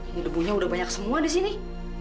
ini debunya udah banyak semua disini